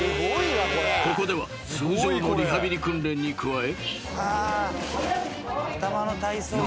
［ここでは通常のリハビリ訓練に加え］